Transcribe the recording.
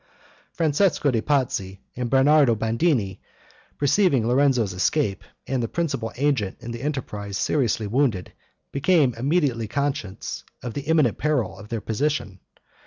Francesco de' Pazzi and Bernardo Bandini, perceiving Lorenzo's escape, and the principal agent in the enterprise seriously wounded, became immediately conscious of the imminent peril of their position.